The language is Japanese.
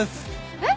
えっ？